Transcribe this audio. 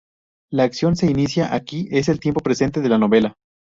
La acción se inicia aquí: es el tiempo presente de la novela.